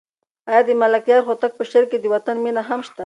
آیا د ملکیار هوتک په شعر کې د وطن مینه هم شته؟